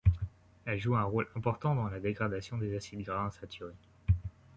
Elle joue un rôle important dans la dégradation des acides gras insaturés.